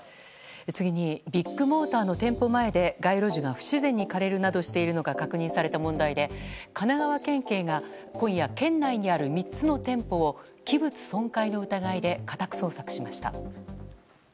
次にビッグモーターの店舗前で街路樹が不自然に枯れるなどしているのが確認された問題で、神奈川県警が今夜、県内にある３つの店舗を器物損壊の疑いで家宅捜索しました。